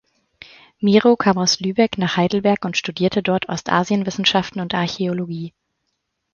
Mirow kam aus Lübeck nach Heidelberg und studierte dort Ostasienwissenschaften und Archäologie.